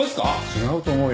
違うと思うよ。